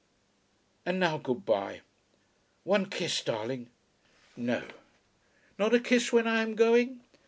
"And now good bye. One kiss, darling." "No." "Not a kiss when I am going?"